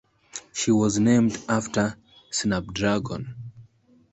She was named after Snapdragon.